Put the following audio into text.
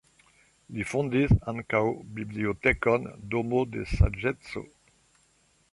Li fondis ankaŭ bibliotekon Domo de saĝeco.